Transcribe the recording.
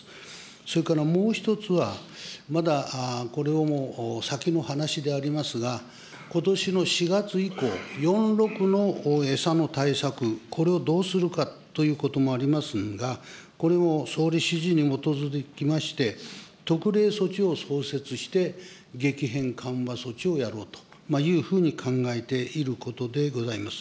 それからもう一つは、まだこれも先の話でありますが、ことしの４月以降、４・６の餌の対策、これをどうするかということもありますが、これも総理指示に基づきまして、特例措置を創設して、激変緩和措置をやろうというふうに考えていることでございます。